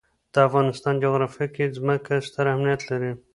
د افغانستان جغرافیه کې ځمکه ستر اهمیت لري.